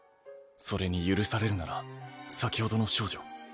それに許されるなら先ほどの少女。